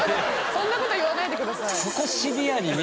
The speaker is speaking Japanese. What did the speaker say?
そんな事言わないでください。